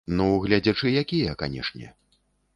Ну, гледзячы якія, канешне.